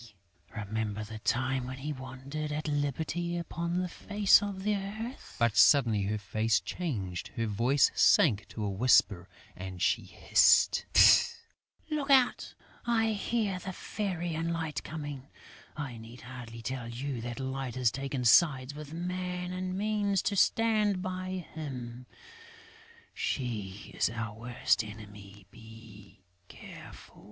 Remember the time when we wandered at liberty upon the face of the earth!..." But, suddenly her face changed, her voice sank to a whisper and she hissed, "Look out! I hear the Fairy and Light coming. I need hardly tell you that Light has taken sides with Man and means to stand by him; she is our worst enemy.... Be careful!"